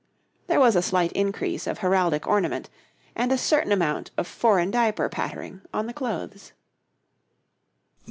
There was a slight increase of heraldic ornament, and a certain amount of foreign diaper patterning on the clothes.